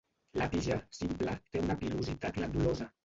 La tija, simple, té una pilositat glandulosa.